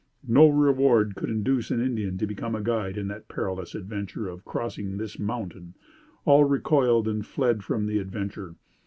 No reward could induce an Indian to become a guide in the perilous adventure of crossing this mountain. All recoiled and fled from the adventure.